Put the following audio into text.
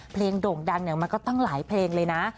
โด่งดังมันก็ตั้งหลายเพลงเลยนะ